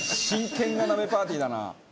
「真剣な鍋パーティーだな」